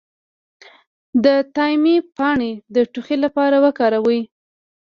د تایم پاڼې د ټوخي لپاره وکاروئ